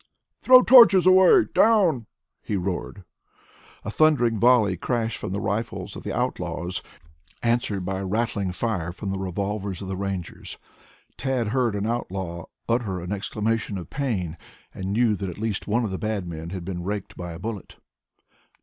"Throw torches away! Down!" he roared. A thundering volley crashed from the rifles of the outlaws, answered by a rattling fire from the revolvers of the Rangers. Tad heard an outlaw utter an exclamation of pain and knew that one at least of the bad men had been raked by a bullet.